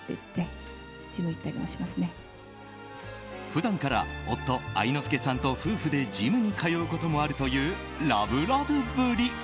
普段から夫・愛之助さんと夫婦でジムに通うこともあるというラブラブぶり。